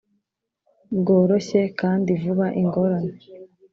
bworoshye kandi vuba ingorane